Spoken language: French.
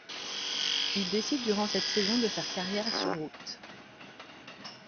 Il décide durant cette saison de faire carrière sur route.